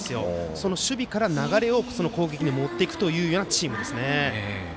その守備から流れを攻撃に持っていくようなチームですね。